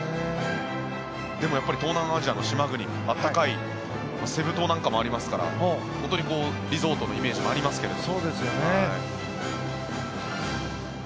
でもやっぱり東南アジアの島国暖かいセブ島なんかもありますから本当にリゾートのイメージもありますけど。